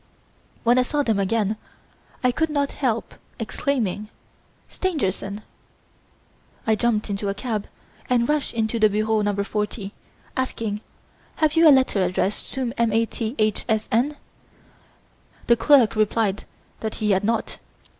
When I saw them again I could not help exclaiming, 'Stangerson!' I jumped into a cab and rushed into the bureau No. 40, asking: 'Have you a letter addressed to M. A. T. H. S. N.?' The clerk replied that he had not.